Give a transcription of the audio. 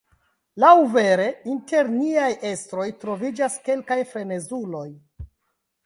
Laŭvere, inter niaj estroj troviĝas kelkaj frenezuloj.